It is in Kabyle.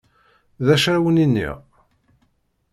D acu ara wen-iniɣ?